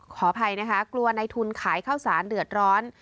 ขออภัยนะคะกลัวในทุนขายข้าวสารเดือดร้อน